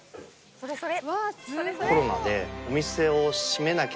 それそれ！